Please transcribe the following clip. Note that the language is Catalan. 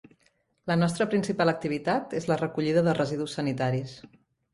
La nostra principal activitat és la recollida de residus sanitaris.